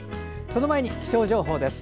その前に気象情報です。